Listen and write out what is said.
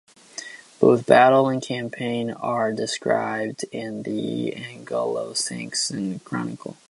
Both battle and campaign are described in the "Anglo-Saxon Chronicle".